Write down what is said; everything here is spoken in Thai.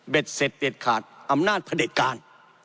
เสร็จเด็ดขาดอำนาจพระเด็จการ